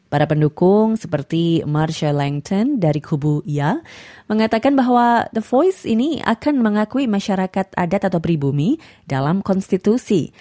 para pendukung seperti marcel lengton dari kubu ya mengatakan bahwa the voice ini akan mengakui masyarakat adat atau pribumi dalam konstitusi